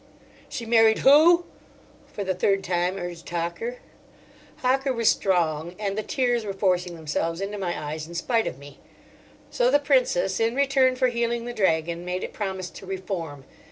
"She married who?" for the third time urged Hocker. Hocker was strong, and the tears were forcing themselves into my eyes in spite of me. So the Princess in return for healing the Dragon made it promise to reform.